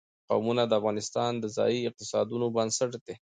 قومونه د افغانستان د ځایي اقتصادونو بنسټ دی.